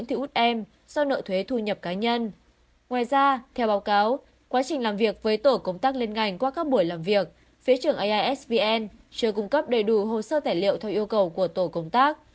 phía trưởng aisvn chưa cung cấp đầy đủ hồ sơ tài liệu theo yêu cầu của tổ công tác